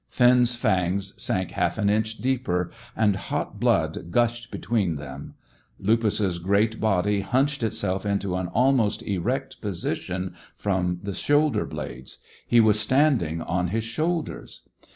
Finn's fangs sank half an inch deeper, and hot blood gushed between them. Lupus's great body hunched itself into an almost erect position from the shoulder blades; he was standing on his shoulders.